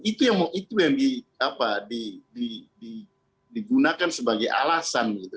itu yang digunakan sebagai alasan gitu